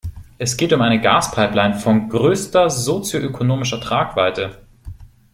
Es geht um eine Gaspipeline von größter sozioökonomischer Tragweite.